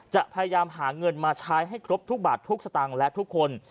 จะพยายามหาเงินมาใช้ให้ครบทุกบาททุกสตางค์และทุกคน